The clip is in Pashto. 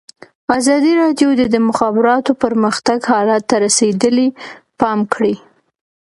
ازادي راډیو د د مخابراتو پرمختګ حالت ته رسېدلي پام کړی.